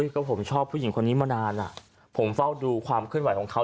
ก็ผมชอบผู้หญิงคนนี้มานานผมเฝ้าดูความเคลื่อนไหวของเขา